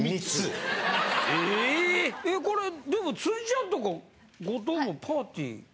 これでも辻ちゃんとか後藤もパーティー。